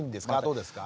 どうですか？